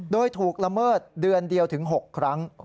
โดยถูกละเมิดเดือนเดียวถึง๖ครั้ง